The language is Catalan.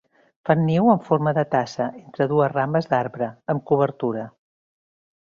Fan un niu en forma de tassa, entre dues rames d'arbre, amb cobertura.